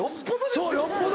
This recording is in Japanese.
そうよっぽど！